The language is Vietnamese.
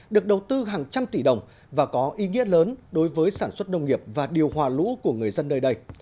được đầu tư hàng trăm tỷ đồng và có ý nghĩa lớn đối với sản xuất nông nghiệp và điều hòa lũ của người dân nơi đây